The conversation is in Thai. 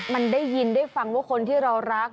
มันได้ยินได้ฟังว่าคนที่เรารัก